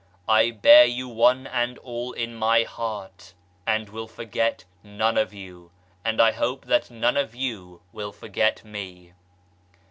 I bear you one and all in my heart, and will forget none of you and I hope that none of you will forget me.